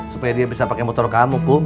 supaya dia bisa pakai motor kamu pun